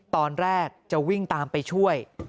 ตอนแรกจะวิ่งตามไปช่วย